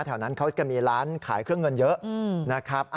แถวนั้นเขาจะมีร้านขายเครื่องเงินเยอะนะครับ